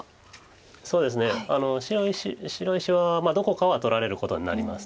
そうですね白石はどこかは取られることになります。